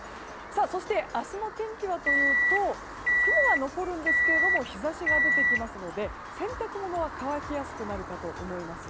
そして明日の天気はというと雲は残るんですが日差しが出てきますので洗濯物は乾きやすくなるかと思います。